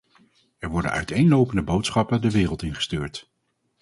Er worden uiteenlopende boodschappen de wereld in gestuurd.